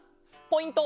ポイント